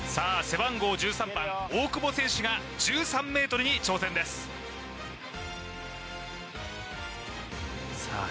背番号１３番大久保選手が１３ｍに挑戦ですさあ